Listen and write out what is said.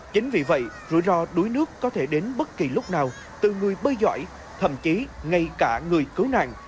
chính vì vậy rủi ro đuối nước có thể đến bất kỳ lúc nào từ người bơi giỏi thậm chí ngay cả người cứu nạn